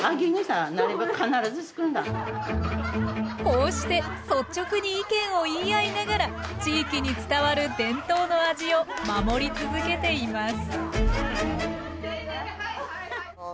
こうして率直に意見を言い合いながら地域に伝わる伝統の味を守り続けています